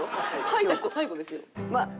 書いた人最後ですよ。